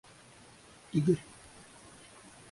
Игорь